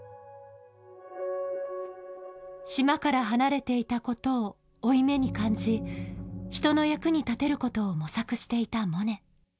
島から離れていたことを負い目に感じ人の役に立てることを模索していたモネ。